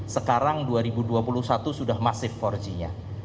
sekarang dua ribu dua puluh satu sudah masif empat g nya